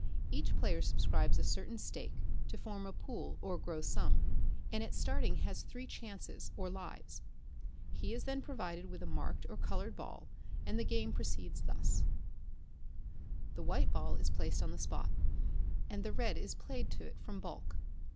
Each player subscribes a certain stake to form a pool or gross sum, and at starting has three chances or lives. He is then provided with a marked or coloured ball, and the game proceeds thus: The white ball is placed on the spot, and the red is played on to it from baulk.